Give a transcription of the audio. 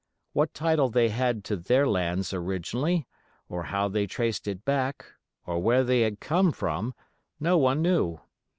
What title they had to their lands originally, or how they traced it back, or where they had come from, no one knew.